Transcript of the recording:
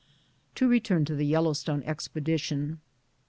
To return to the Yellowstone expedition.